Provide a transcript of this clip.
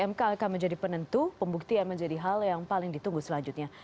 mk akan menjadi penentu pembuktian menjadi hal yang paling ditunggu selanjutnya